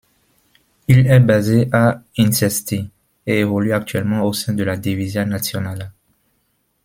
Il est basé à Hîncești et évolue actuellement au sein de la Divizia Naţională.